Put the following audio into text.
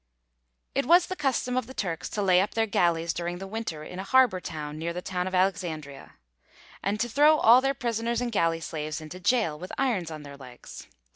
It was the custom of the Turks to lay up their galleys during the winter in a harbour near the town of Alexandria, and to throw all their prisoners and galley slaves into gaol, with irons on their legs.